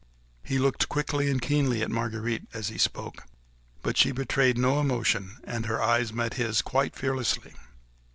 He looked quickly and keenly at Marguerite as he spoke; but she betrayed no emotion, and her eyes met his quite fearlessly.